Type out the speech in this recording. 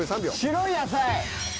「白い野菜」。